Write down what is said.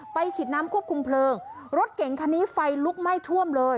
ฉีดน้ำควบคุมเพลิงรถเก่งคันนี้ไฟลุกไหม้ท่วมเลย